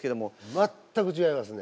全く違いますね。